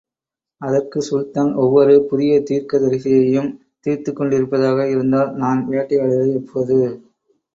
அதற்கு, சுல்தான் ஒவ்வொரு புதிய தீர்க்கதரிசியையும் தீர்த்துக் கொண்டிருப்பதாக இருந்தால் நான் வேட்டையாடுவது எப்போது?